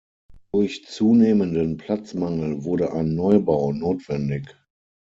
Durch zunehmenden Platzmangel wurde ein Neubau notwendig.